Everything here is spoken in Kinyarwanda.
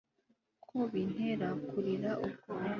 ko bintera kurira ubwoba